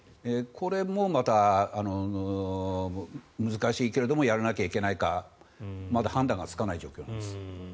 これもまた難しいけれどもやらなきゃいけないからまだ判断がつかない状況です。